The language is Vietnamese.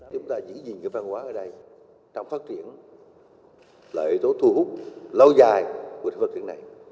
chúng ta chỉ nhìn cái văn hóa ở đây trong phát triển là hệ thống thu hút lâu dài của phát triển này